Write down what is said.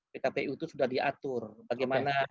pkpu itu sudah diatur bagaimana